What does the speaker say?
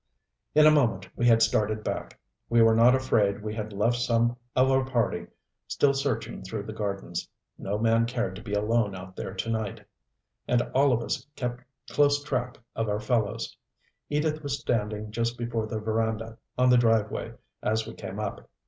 In a moment we had started back. We were not afraid we had left some of our party still searching through the gardens. No man cared to be alone out there to night, and all of us kept close track of our fellows. Edith was standing just before the veranda, on the driveway, as we came up.